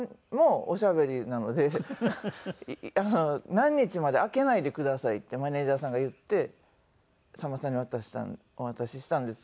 何日まで開けないでくださいってマネジャーさんが言ってさんまさんにお渡ししたんですよ。